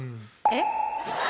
えっ？